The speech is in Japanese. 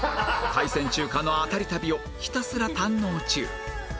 海鮮中華のアタリ旅をひたすら堪能中